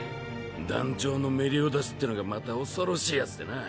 団長のメリオダスってのがまた恐ろしいヤツでな。